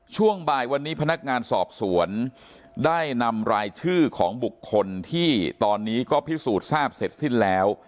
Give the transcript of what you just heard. ช่วงบ่ายวันนี้พนักงานสอบสวนได้นำรายชื่อของบุคคลที่ตอนนี้ก็พิสูจน์ทราบเสร็จสิ้นแล้ว